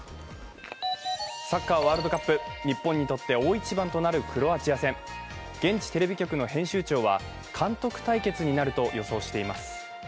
サッカーワールドカップ、日本にとって大一番となるクロアチア戦、現地テレビ局の編集長は監督対決になると予想しています。